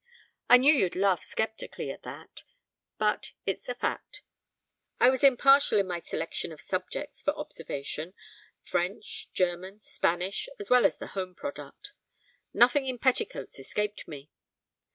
I knew you'd laugh sceptically at that, but it's a fact. I was impartial in my selection of subjects for observation French, German, Spanish, as well as the home product. Nothing in petticoats escaped me.